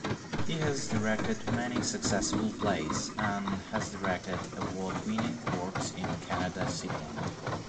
He has directed many successful plays and has directed award-winning works in Kannada cinema.